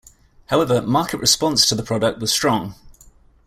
However, market response to the product was strong.